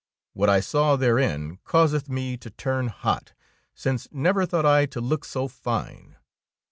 What I saw therein causeth me to turn hot, since never thought I to look so fine.